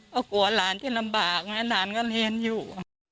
ก็กลัวลานที่ลำบากไงลานก็เห็นอยู่